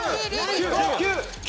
９９９！